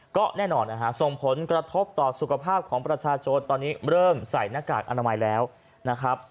ก็แน่นอนนะฮะส่งผลกระทบต่อสุขภาพของประชาชนตอนนี้เริ่มใส่หน้ากากอนามัยแล้วนะครับ